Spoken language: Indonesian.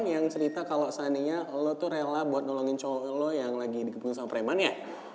yang cerita kalau seandainya lo tuh rela buat nolongin cowok lo yang lagi dikepung sama preman ya